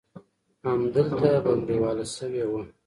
همدلته بنګړیواله شوې وه.